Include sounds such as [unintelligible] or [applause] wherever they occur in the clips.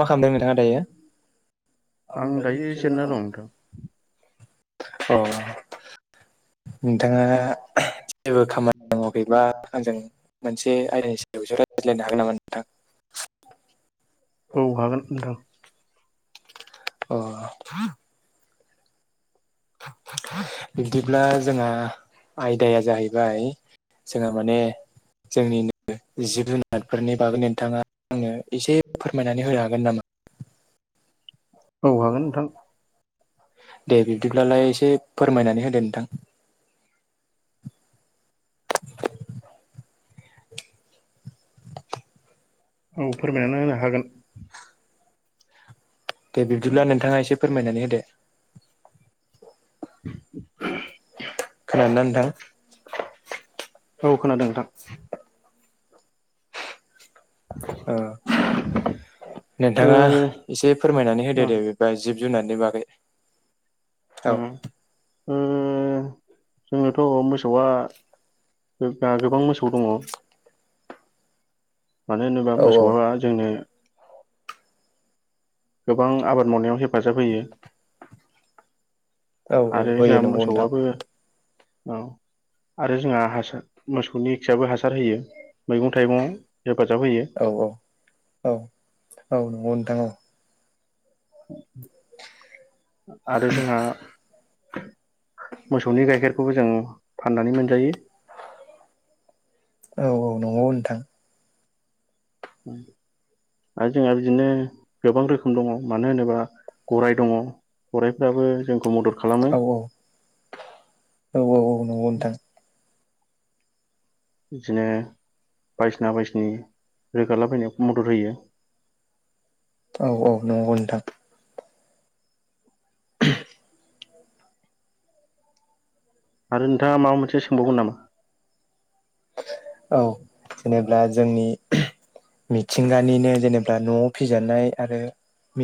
मा खालामदों नोंथाङा दायो आं दायो जेनना दं नोंथां [unintelligible] दं अ नोंथाङा जेबो खामानि मावाखैबा आंजों मोनसे आयदानि सायावसो रायज्लायनो हागोन नामा नोंथां औ हागोन नोंथां अ [inaudible] बिब्दिब्ला जोंहा आयदाया जाहैबाय जोंहा माने जोंनि जिब जुनारफोरनि बागै नोंथाङा आंनो एसे फोरमायनानै होनो हागोन नामा औ हागोन नोंथां दे बिब्दिब्लालाय एसे फोरमायनानै होदो नोंथां औ फोरमायनानै होनो हागोन दे बिब्दिब्ला नोंथाङा एसे फोरमायनानै होदो खोनादोंना नोंथां औ खोनादों नोंथां ओ ओ नोंथाङा एसे फोरमायनानै होदो ओ दे बिबदिबा जिब जुनारनि बागै औ ओ [inaudible] जोङोथ' मोसौआ गोबां मोसौ दङ मानो होनोबा औ मोसौआ जोंनो गोबां आबाद मावनायाव हेफाजाब होयो औ आरो होयो जोंहा नंगौ नोंथां मोसौआबो औ आरो जोंहा हासार मोसौनि खियाबो हासार होयो मैगं थाइगं हेफाजाब होयो औ औ औ [unintelligible] आरो जोंहा मोसौनि गाइखेरखौबो जों फाननानै मोनजायो औ औ नंगौ नोंथां आरो जोंहा बिदिनो गोबां रोखोम दङ मानो होनोबा गराय दङ गराइफ्राबो जों खौ मदद खालामो औ औ नंगौ नोंथां बिदिनो बायदिसिना बायदिसिनि रोगालाबायनायाव मदद होयो [inaudible] औ औ नंगौ नोंथां [inaudible] आरो नोंथाङा माबा मोनसे सोंबावगोन नामा औ जेनेबा जोंनि मिथिंगानिनो जेनेबा न'आव फिजानाय आरो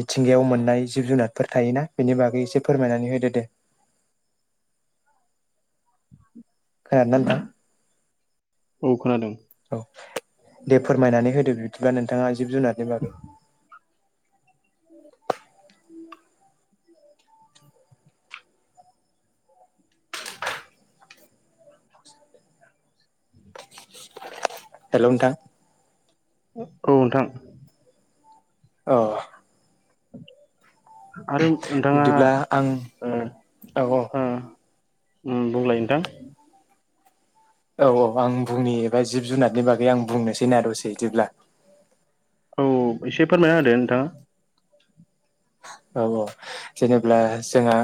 मिथिंगायाव मोननाय जिब जुनारफोर थायोना बेनि बागै एसे फोरमायनानै होदो दे [inaudible] खोनादोंना नोंथां औ खोनादों औ दे फोरमायनानै होदो बिदिबा नोंथाङा जिब जुनारनि बागै हेलौ नोंथां औ नोंथां औ आरो नोंथाङा बिदिब्ला आं ओ औ औ ओ उम बुंलाय नोंथां। औ औ आं बुंनि एबा जिब जुनारनि बागै आं बुंनोसैना दसे बिदिब्ला। औ एसे फोरमायना होदो नोंथाङा। औ औ जेनेबा जोंहा,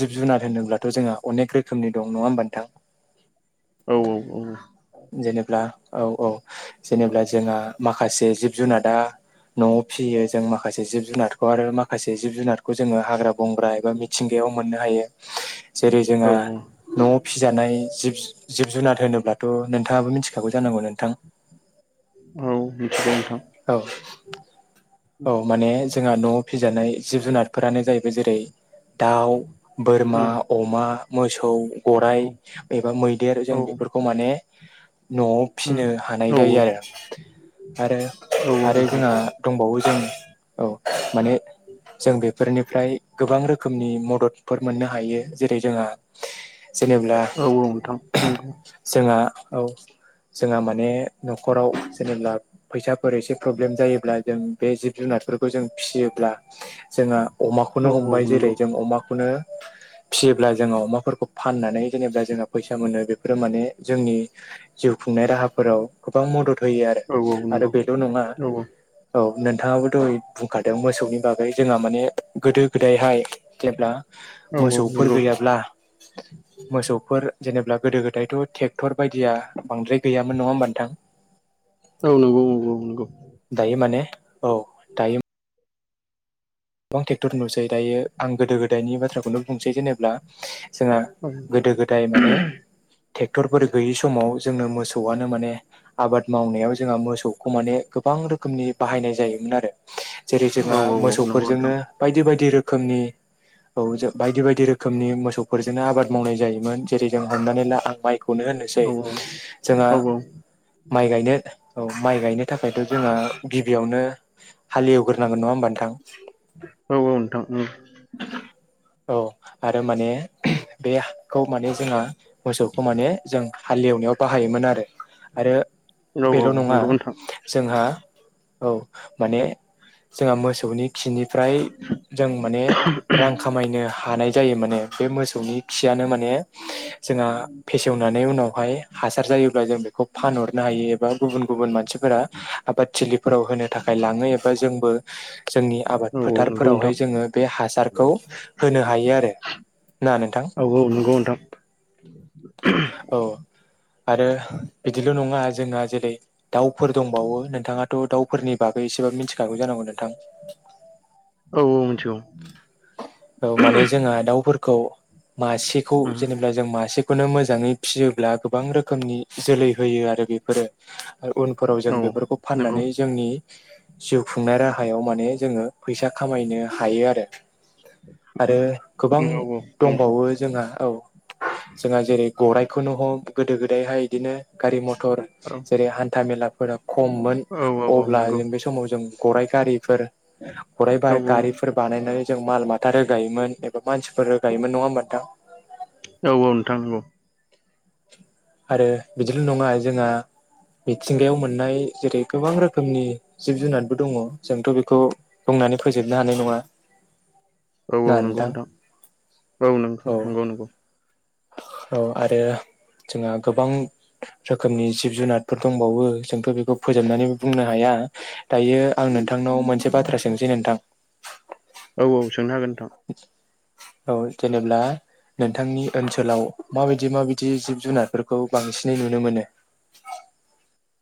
जिब जुनार होनोब्लाथ' जोंहा अनेक रोखोमनि दं नङा होमबा नोंथां। औ औ औ। जेनेबा औ औ जेनेब्ला जोंहा माखासे जिब जुनादा न'आव फिसियो जों माखासे जिब जुनारखौ आरो माखासे जिब जुनारखौ जोङो हाग्रा बंग्रा एबा मिथिंगायाव याव मोननो हायो। जेरै औ जोंङो औ न'आव फिजानाय जिब जिब जुनार होनोब्लाथ' नोंथाङाबो मिथिखागौ। जानांगौ नोंथां औ मिथिगौ नोंथां औ। औ माने जोंहा न'आव फिजानाय जिब जुनारफोरानो जाहैबाय जेरै दाउ, बोरमा, उम अमा, मोसौ गराइ औ एबा मैदेर औ जों बेफोरखौ माने। न'आव उम फिसिनो हानाय औ जायो आरो। आरो औ आरो नोंथां जोंहा दंबावो। औ औ माने जों बेफोरनिफ्राय गोबां गोबां रोखोमनि मददफोर मोननो हायो जेरै जोंहा जेनेब्ला औ औ नोंथां नंगौ जोंहा औ जोंहा माने न'खराव जेनेब्ला। फैसाफोर एसे प्रब्लेम जायोब्ला जों बे जिब जुनारफोरखौ जों फिसियोब्ला जोंहा अमाखौनो औ औ हमबाय नंगौ जेरै जों अमाखौनो [inaudible] फिसियोब्ला जोङो अमाफोरखौ फाननानै जेनेबा जोंहा फैसा मोनो बेफोरो माने जोंनि जिउ खुंनाय राहाफोराव गोबां मदद। होयो आरो औ औ आरो नंगौ बेल' नङा औ औ औ नोंथाङाबो दहाय बुंखाद मोसौनि बागै जोंहा माने गोदो गोदायहाय जेब्ला औ मोसौफोर नंगौ गैयाब्ला मोसौफोर जेनेबा गोदो गोदायथ' ट्रेक्टर बायदिया बांद्राय गैयामोन नङा होमबा नोथां। औ नंगौ नंगौ नंगौ। दायो माने औ दायो। गोबां ट्रेक्टर नुसै दायो आं गोदो गोदायनि बाथ्राखौनो बुंसै जेनेब्ला। जोंहा गोदो गोदाय माने। ट्रेक्टरफोर गैयि समाव जोंनो मोसौआनो माने आबाद मावनायाव जोंहा मोसौखौ माने गोबां। गोबां रोखोमनि बाहायनाय जायोमोन आरो जेरै औ जोंहा औ नंगौ मोसौफोरजोंनो नोंथां बायदि बायदि रोखोम रोखोमनि औ बायदि बायदि रोखोमनि मोसौफोरजोंनो आबाद मावनाय जायोमोन। जेरै जों हमनानै ला आं माइखौनो होननोसै औ जोंहा औ माइ गायनो औ माइ गायनो थाखायथ' जोंहा गिबियावनो हालेवग्रोनांगोन नङा होमबा नोंथां औ औ नोंथां औ। औ आरो माने बे, खौ माने जोंहा मोसौखौ माने जों हालेवनायाव बाहायोमोन आरो आरो। औ औ बेल' नङा नंगौ नोंथां जोंहा औ माने जोंहा मोसौनि खिनिफ्राय जों माने रां खामायनो हानाय जायो माने। बे मोसौनि खियानो माने जोंहा फेसेवनानै उनावहाय हासार जायो। जों बेखौ फानहरनो हायो एबा गुबुन गुबुन मानसिफोरा आबाद थिलिफोराव होनो थाखाय लाङो। जोंबो जोंनि आबाद औ औ नंगौ फोथारफोरावहाय नोंथां जोङो बे हासार। खौ होनो हायो आरो ना नोंथां। औ औ नंगौ नोंथां औ आरो बिदिल' नङा जोंना जेरै दाउफोर दंबावो नोंथाङाथ' दाउ, फोरनि बागै एसेबाबो मिथिखागौ जानांगौ नों औ औ मिथिगौ औ माने जोंहा दाउफोरखौ मासेखौ औ जेनेबा जों मासे बेखौनो मोजाङै फिसियोब्ला गोबां रोखोमनि जोलै होयो आरो बेफोरो आरो उनफोराव जों बेफोरखौ नंगौ फाननानै जोंनि जिउ खुंनाय राहायाव माने जोङो फैसा खामायनो हायो आरो आरो औ नंगौ औ गोबां औ औ नंगौ दंबावो जोंहा औ जोंहा जेरै गरायाइखौनो हख गोदो गोदायहाय बिदिनो गारि मथर जेरै हान्था मेलाफोराव खममोन औ नोंथां नंगौ औ अब्ला नंगौ नोंथां औ नंगौ औ औ जों बे समाव जों गराइ गारि फोर गराइ सोंनो हागोन गारिफोर बानायनाय जों माल माथा रोगायोमोन एबा मानसिफोर रोगायोमोन नङा होमबा नोंथां औ औ नोंथां नांगौ आरो बिदिल' नङा जोंहा मिथिंगायाव मोननाय जेरै गोबां रोखोमनि जिब जुनारबो दङ जोंथ' बेखौ बुं बुंनानै फोजोबनो हानाय नङा औ औ नंगौ नोंथां औ नोंथां नंगौ नंगौ औ आरो जोंहा गोबां रोखोमनि जिब जुनारफोर दंबावो जोंथ' बेखौ फोजोबनानैबो बुंनो हाया दायो आं नोंथांनाव मोनसे बाथ्रा सोंसै नोंथां औ औ सोंनो हागोन औ जेनेब्ला नोंथांनि ओनसोलाव माबायदि माबायदि जिब जुनारफोरखौ बांसिनै नुनो मोनो? [unintelligible]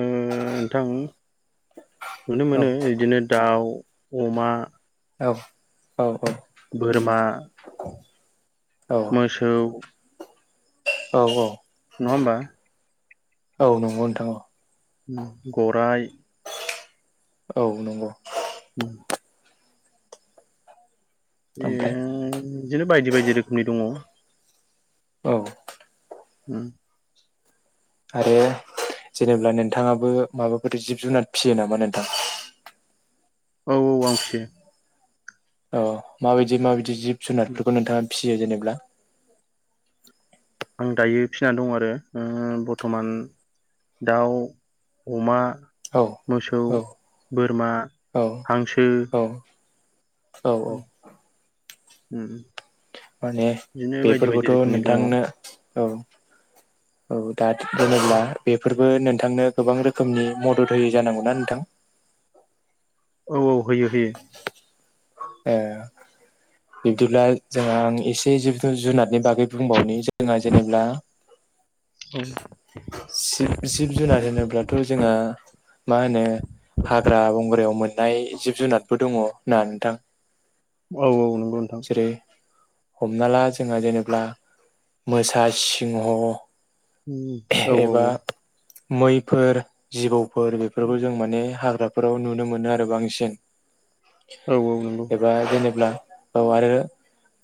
ओम नोंथां नुनो औ मोनो बिदिनो दाउ अमा औ औ औ बोरमा मोसौ औ औ नङा होनबा औ नंगौ नोंथां औ गराइ औ नंगौ उम ए ओमफ्राय बिदिनो बायदि बायदि रोखोमनि दङ औ उम आरो जेनेब्ला नोंथाङाबो माबाफोर जिब-जुनार फियो नामा नोंथां? औ औ आं फिसियो औ माबायदि माबायदि जिब उम जुनारफोरखौ नोंथाङा फियो जेनेबा आं दायो फिसिना दं आरो ओ बर्थमान दाउ, अमा औ औ मोसौ बोरमा औ हांसो औ औ औ होम माने बेफोरखौथ' दङ औ नोंथांनो औ औ दा दोनोब्ला बेफोर बो नोंथांनो गोबां रोखोमनि मदद होयो जानांगौना नोंथां औ औ होयो होयो ओ बिब्दिब्ला जोंहा आं एसे जिब जुनारनि बागै बुंबावनि जों जोंङा जेनेब्ला जिब जिब जुनार होनोब्लाथ' जोंहा मा होनो हाग्रा बंग्रायाव मोननाय जिब जुनारबो दङ' ना नोंथां? औ औ नंगौ नोंथां। जेरै हमना ला जोंहा जेनेब्ला, मोसा, सिंह, औ औ एबा औ मैफोर, जिबौफोर, बेफोरखौ औ जों माने हाग्रा फोराव नुनो मोनो आरो बांसिन। औ औ नंगौ। एबा जेनेब्ला औ आरो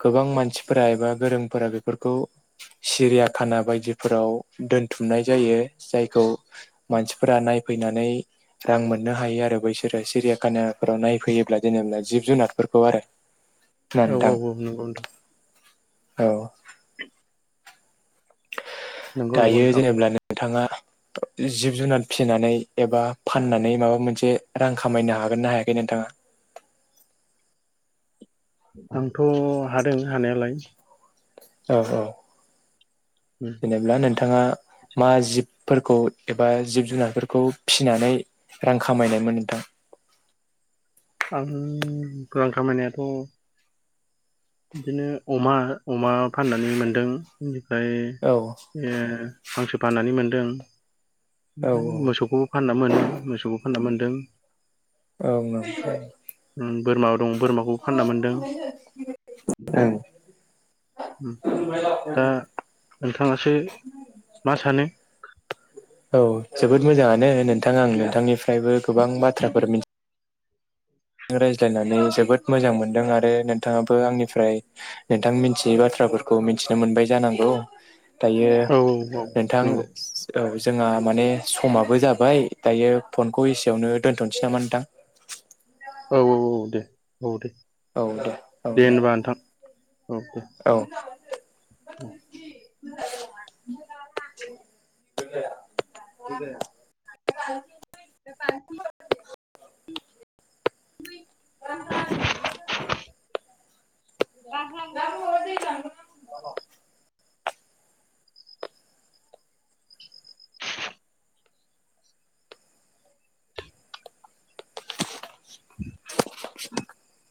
गोबां मानसिफोरा एबा गोरोंफोरा बेफोरखौ सिरिया खाना बायदिफोराव दोन बुथुमनाय जायो। जायखौ मानसिफोरा नायफैनानै रां मोननो हायो आरो बैसोरो सिरिया कानाफोराव नायफैयोब्ला जेनेब ना जिब जुनारफोरखौ आरो। ना औ औ नोंथां औ नंगौ नोंथां। औ। नंगौ नंगौ दायो नोंथां जेनेब्लानों नोंथाङा जिब जुनार फिसिनानै एबा फाननानै माबा मोनसे रां खामायनो हागोन मोननो हायाखै नोंथाङा? [unintelligible] आंथ' हादों हानायालाय। औ औ उम जेनेबा नोंथाङा मा जिबफोरखौ एबा जिब जुनारफोरखौ फिसिनानै रां खामायनायमोन नोंथां? आं रां खामायनायाथ' बिदिनो अमा अमा फाननानै मोनदों ओमफ्राय औ ओ हांसो फाननानै मोनदों। औ ओमफ्राय मोसौखौबो फानना मोनो, मोसौखौ फानना मोनदों। औ उम बोरमा दं, बोरमाखौबो फानना मोनदों। औ दा नोंथाङासो मा सानो? औ जोबोद मोजाङानो नोंथां। आं नोंथांनिफ्रायबो गोबां बाथ्राफोर मिथि रायज्लायनानै जोबोद मोजां मोनदों आरो नोंथाङाबो आंनिफ्राय नोंथां मिथियै बाथ्रा फोरखौ मिथिनो मोनबाय जानांगौ। दायो औ औ नोंथां नंगौ सो औ जोंहा माने समाबो जाबाय दायो फनखौ एसेयावनो दोनथ'नोसै नामा नोंथां? औ औ औ दे। औ दे। दे होनबा नोंथां औ दे। औ [unintelligible] जाया [unintelligible] [inaudible] [unintelligible] [inaudible] [inaudible] [inaudible]